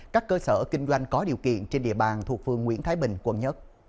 các cơ sở kinh doanh có điều kiện trên địa bàn thuộc phường nguyễn thái bình quận một